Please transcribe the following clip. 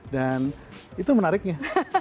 dan itu menariknya